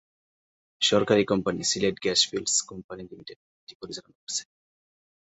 সরকারি company Sylhet gas fields company limited এটি পরিচালনা করছে।